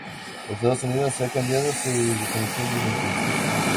Estados Unidos ha cambiado su definición desde entonces.